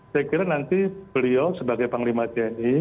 saya kira nanti beliau sebagai panglima tni